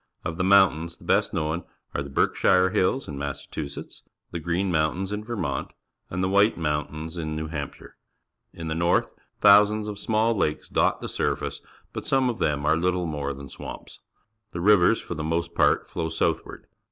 Of the mountains the best known are the Berkshire Hill s in Massachusetts, the Green__Moitntains in "\"ermont, and the WJiij£__MjiyJitaim in. New_ Hampshire. In the north thousands of small laKeS dot the surface, but some of them are little more than swamps. The rivers for the most part flow southward.